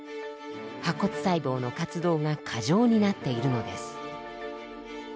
破骨細胞の活動が過剰になっているのです。